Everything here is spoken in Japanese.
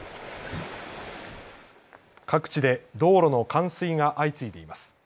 各地で道路の冠水が相次いでいます。